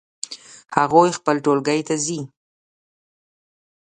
هغوی خپل ټولګی ته ځي